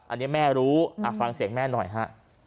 อันนี้แม่รู้ฟังเสียงแม่หน่อยฮะ